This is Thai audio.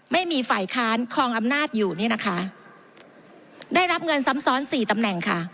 ไม่มีฝ่ายค้านคลองอำนาจอยู่นี่นะคะได้รับเงินซ้ำซ้อนสี่ตำแหน่งค่ะ